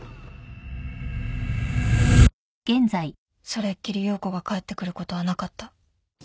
それっきり葉子が帰ってくることはなかった。